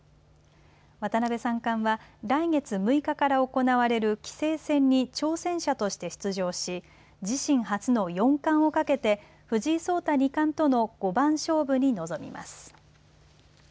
渡辺三冠は来月６日から行われる棋聖戦に挑戦者として出場し、自身初の四冠をかけて藤井聡太二冠との五番勝負に臨みます。